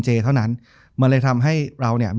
จบการโรงแรมจบการโรงแรม